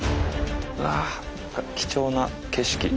うわ貴重な景色。